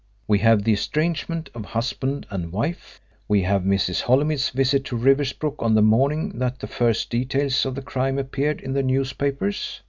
We have the estrangement of husband and wife. We have Mrs. Holymead's visit to Riversbrook on the morning that the first details of the crime appeared in the newspapers.